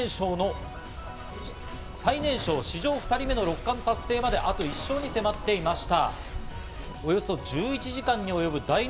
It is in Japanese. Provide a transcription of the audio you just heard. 冠に２勝していまして、最年少史上２人目の六冠達成まであと１勝と迫っていました。